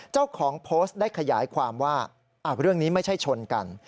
เจ้าของโพสต์ได้ขยายความว่าเรื่องนี้ไม่ใช่ชนกัน